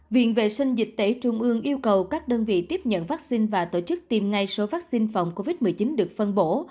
viện vệ sinh dịch tễ trung ương yêu cầu các đơn vị tiếp nhận vaccine và tổ chức tiêm ngay số vaccine phòng covid một mươi chín được phân bổ